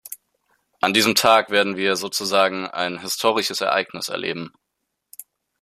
An diesem Tag werden wir sozusagen ein historisches Ereignis erleben.